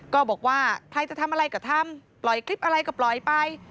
ก็บอกว่าใครจะทำอะไรก็ทำปล่อยคลิปอะไรก็ปล่อยไป